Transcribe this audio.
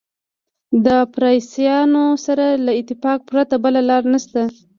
د فارسیانو سره له اتفاق پرته بله لاره نشته.